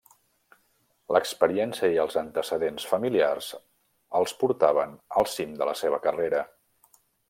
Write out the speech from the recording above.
L'experiència i els antecedents familiars els portaven al cim de la seva carrera.